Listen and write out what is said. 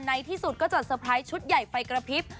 ในที่สุดก็จัดเตอร์ไพรส์ชุดใหญ่ไฟกระพริบ